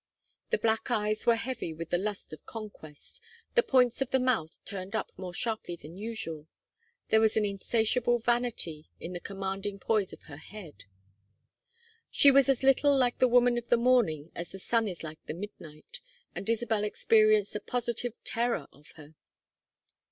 The black eyes were heavy with the lust of conquest, the points of the mouth turned up more sharply than usual; there was an insatiable vanity in the commanding poise of her head. She was as little like the woman of the morning as the sun is like the midnight, and Isabel experienced a positive terror of her.